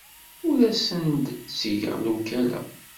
Ur asen-d-ttgeɣ lewkala.